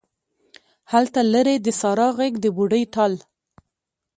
هلته لیرې د سارا غیږ د بوډۍ ټال